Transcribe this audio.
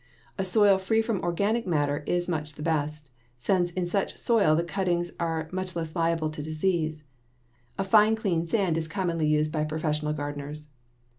A soil free from organic matter is much the best, since in such soil the cuttings are much less liable to disease. A fine, clean sand is commonly used by professional gardeners.